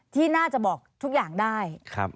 ที่น่าจะบอกทุกอย่างได้